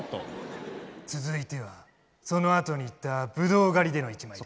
続いてはそのあとに行ったブドウ狩りでの一枚です。